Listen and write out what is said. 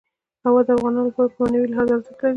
هوا د افغانانو لپاره په معنوي لحاظ ارزښت لري.